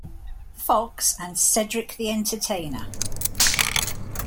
Fox and Cedric the Entertainer.